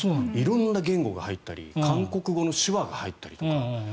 色々な言語が入ったり韓国語の手話が入ったりとか。